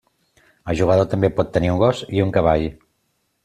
El jugador també pot tenir un gos i un cavall.